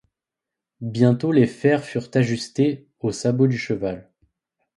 Bientôt les fers furent ajustés aux sabots du cheval.